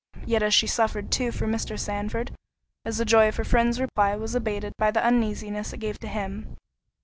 Yet as she suffered too for Mr. Sandford, the joy of her friend's reply was abated by the uneasiness it gave to him.